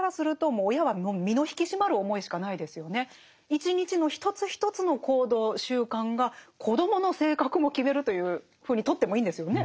一日の一つ一つの行動習慣が子どもの性格も決めるというふうにとってもいいんですよね。